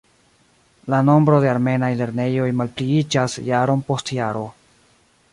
La nombro de armenaj lernejoj malpliiĝas jaron post jaro.